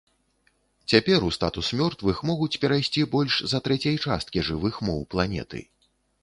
Цяпер у статус мёртвых могуць перайсці больш за трэцяй часткі жывых моў планеты.